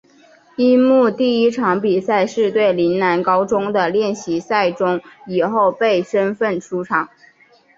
樱木第一场比赛是对陵南高中的练习赛中以后备身份出场。